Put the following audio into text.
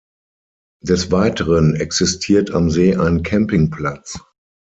Des Weiteren existiert am See ein Campingplatz.